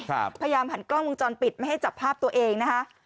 พยายามหันกล้องวงจรปิดไม่ให้จับภาพตัวเองนะคะ